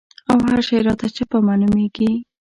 او هر شی راته چپه معلومېږي.